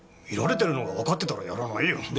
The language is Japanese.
見られてるのがわかってたらやらないよ。